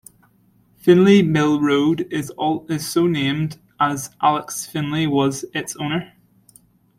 'Finlay Mill Road' is so named, as Alex Finlay was its owner.